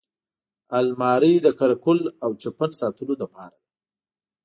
الماري د قره قل او چپن ساتلو لپاره ده